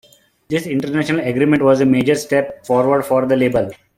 This international agreement was a major step forward for the label.